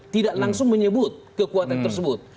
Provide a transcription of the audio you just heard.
tidak langsung menyebut kekuatan tersebut